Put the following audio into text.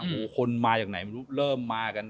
โอ้โหคนมาจากไหนเริ่มมากัน